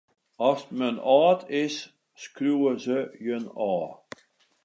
Ast men âld is, skriuwe se jin ôf.